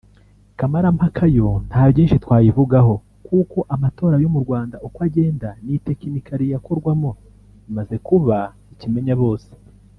Kamarampaka yo nta byinshi twayivugaho kuko amatora yo mu Rwanda uko agenda n’itekinika riyakorwamo bimaze kuba ikimenyabose